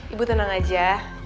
ibu tenang aja